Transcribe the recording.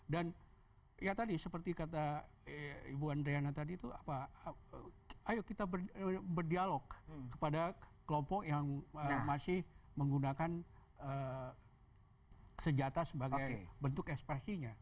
dan ya tadi seperti kata ibu andreana tadi itu ayo kita berdialog kepada kelompok yang masih menggunakan sejata sebagai bentuk ekspresinya